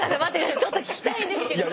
ちょっと聞きたいんですけど。